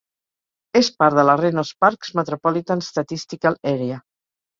És part de la Reno-Sparks Metropolitan Statistical Area.